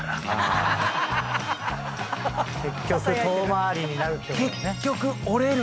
結局遠回りになるってことだね。